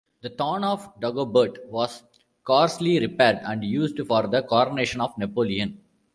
The "Throne of Dagobert" was coarsely repaired and used for the coronation of Napoleon.